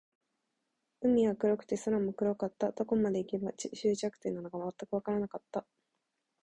海は黒くて、空も黒かった。どこまで行けば、終着点なのか全くわからなかった。